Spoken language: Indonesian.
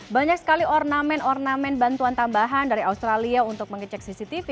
banyak sekali ornamen ornamen bantuan tambahan dari australia untuk mengecek cctv